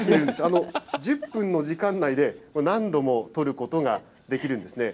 １０分の時間内で何度も撮ることができるんですね。